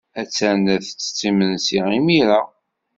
Attan la tettett imensi imir-a.